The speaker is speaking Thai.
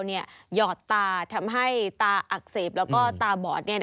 หยอดตาทำให้ตาอักเสบแล้วก็ตาบอด